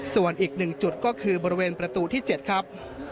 ส่วนอีก๑จุดก็คือบริเวณประตูที่๗ครับ